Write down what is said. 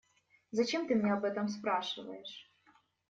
Зачем ты меня об этом спрашиваешь?